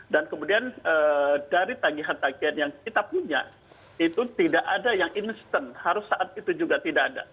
dan kemudian dari tagihan tagihan yang kita punya itu tidak ada yang instant harus saat itu juga tidak ada